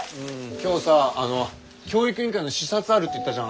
今日さ教育委員会の視察あるって言ったじゃん。